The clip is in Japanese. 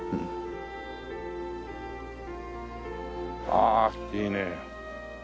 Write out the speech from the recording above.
ああいいね。